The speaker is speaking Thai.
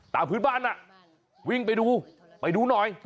พื้นบ้านวิ่งไปดูไปดูหน่อย